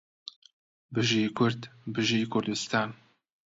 بژی کورد بژی کوردستان